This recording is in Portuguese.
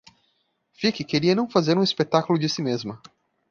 Vicky queria não fazer um espetáculo de si mesma.